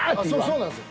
そうなんですよ。